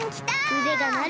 うでがなる！